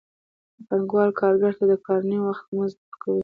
پانګوال کارګر ته د کار نیم وخت مزد ورکوي